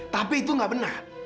tapi itu tidak benar